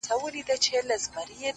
زما سره اوس لا هم د هغي بېوفا ياري ده؛